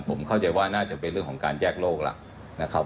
ผมเข้าใจว่าน่าจะเป็นเรื่องของการแยกโรคเร้า